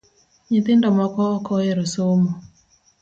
Nyithindo moko ok ohero somo